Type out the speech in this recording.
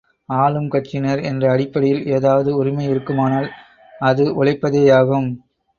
ஆளும் கட்சியினர் என்ற அடிப்படையில் ஏதாவது உரிமை இருக்குமானால் அது உழைப்பதேயாகும்.